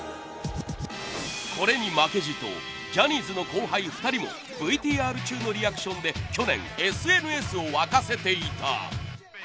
これに負けじとジャニーズの後輩２人もＶＴＲ中のリアクションで去年ＳＮＳを沸かせていた。